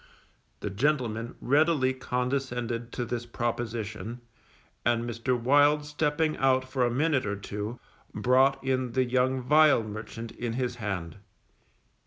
_ The gentleman readily condescended to this proposition, and Mr. Wild stepping out for a minute or two, brought in the young vial merchant in his hand.